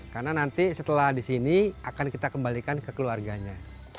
karena nanti setelah di sini akan kita kembalikan ke keluarganya